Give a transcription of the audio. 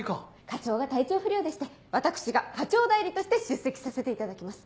課長が体調不良でして私が課長代理として出席させていただきます。